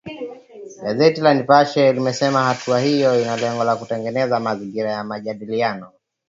Gazeti la Nipashe limesema hatua hiyo ina lengo la kutengeneza mazingira ya majadiliano.